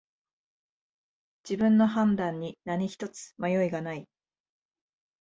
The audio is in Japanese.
自分の判断に何ひとつ迷いがない